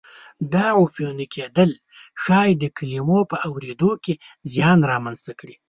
دا عفوني کېدل ښایي د کلمو په اورېدو کې زیان را منځته کړي.